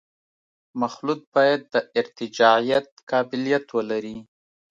مخلوط باید د ارتجاعیت قابلیت ولري